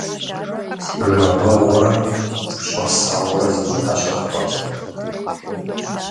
Жагъуэгъурэ щIасэгъурэ зимыIэ щыIэкъым.